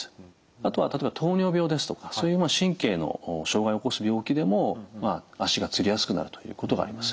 あとは例えば糖尿病ですとかそういう神経の障害を起こす病気でも足がつりやすくなるということがあります。